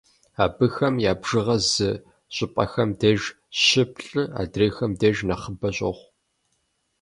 Абыхэм я бжыгъэр зы щӏыпӏэхэм деж щы-плӏы, адрейхэм деж нэхъыбэ щохъу.